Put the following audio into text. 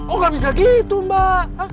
oh nggak bisa gitu mbak